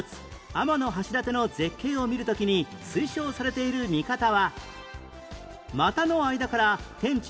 天橋立の絶景を見る時に推奨されている見方は